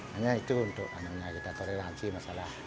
hanya itu untuk kita toleransi masalah